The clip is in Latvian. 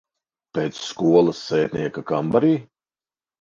Pēc skolas sētnieka kambarī?